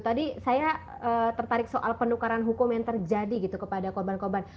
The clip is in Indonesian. tadi saya tertarik soal penukaran hukum yang terjadi gitu kepada korban korban